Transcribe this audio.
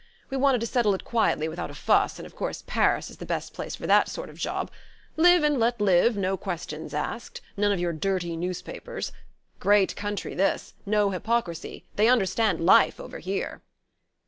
We wanted to settle it quietly without a fuss, and of course Paris is the best place for that sort of job. Live and let live; no questions asked. None of your dirty newspapers. Great country, this. No hypocrisy... they understand Life over here!"